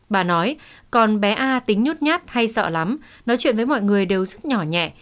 bà nói con bé a tính nhút nhát hay sợ lắm nói chuyện với mọi người đều rất nhỏ nhẹ